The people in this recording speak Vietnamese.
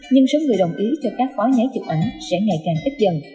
nhưng số người đồng ý cho các phó nhái chụp ảnh sẽ ngày càng ít dần